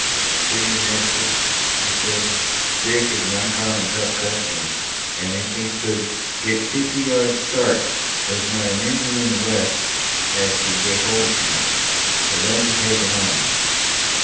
"Ye see, mistress," he said, "Dick is an oncommon tough customer, an' if he could only git fifty yards' start, there's not an Injun in the West as could git hold o' him agin; so don't be takin' on."